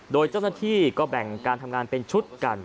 โดยเจ้าหน้าที่ก็แบ่งการทำงานเป็นชุดกัน